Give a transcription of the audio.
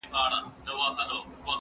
ما پرون د سبا لپاره د يادښتونه بشپړ وکړ